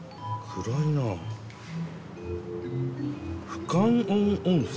「不感温温泉」？